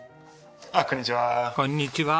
ああこんにちは。